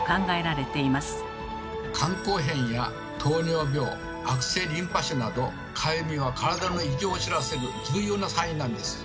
肝硬変や糖尿病悪性リンパ腫などかゆみは体の異常を知らせる重要なサインなんです。